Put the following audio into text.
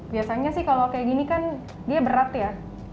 biasanya sih kalau kayak gini kan dia berat ya